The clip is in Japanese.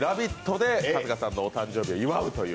で春日さんのお誕生日を祝うという。